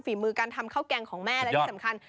มือการทำข้าวแกงของแม่และที่สำคัญ